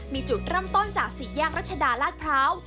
มีจุดร่ำต้นจากสิทธิ์แยกรัชดาลาดพร้าว